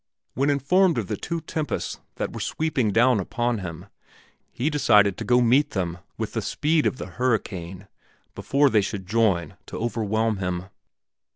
When informed of the two tempests that were sweeping down upon him, he decided to go to meet them with the speed of the hurricane before they should join to overwhelm him.